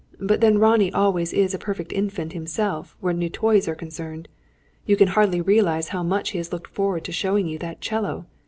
But then Ronnie always is a perfect infant himself, where new toys are concerned. You can hardly realise how much he has looked forward to showing you that 'cello.